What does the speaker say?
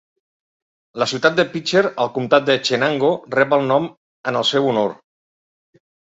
La ciutat de Pitcher, al comtat de Chenango, rep el nom en el seu honor.